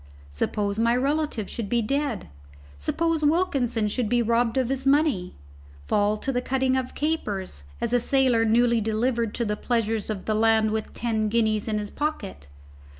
Suppose my relative should be dead? Suppose Wilkinson should be robbed of his money? fall to the cutting of capers, as a sailor newly delivered to the pleasures of the land with ten guineas in his pocket?